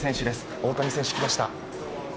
大谷選手、来ました。